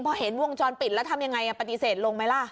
พอเห็นวงจรปิดแล้วทำยังไงปฏิเสธลงไหมล่ะ